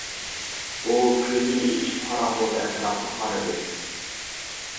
ئۇ كۆزىنى ئېچىپ قاراڭغۇدا ئەتراپقا قارىدى.